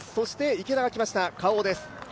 池田が来ました、Ｋａｏです。